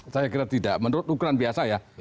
saya kira tidak menurut ukuran biasa ya